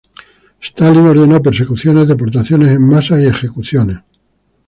Stalin ordenó persecuciones, deportaciones en masa, y ejecuciones.